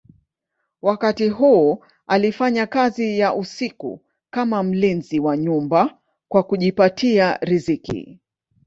Wakati huu alifanya kazi ya usiku kama mlinzi wa nyumba kwa kujipatia riziki.